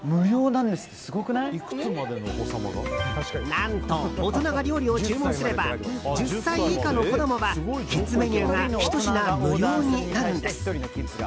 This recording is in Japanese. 何と、大人が料理を注文すれば１０歳以下の子供はキッズメニューが１品無料になるんです。